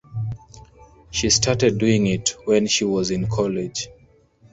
She started doing it when she was in college.